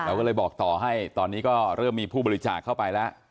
เราก็เลยบอกต่อให้ตอนนี้ก็เริ่มมีผู้บริจาคเข้าไปแล้ว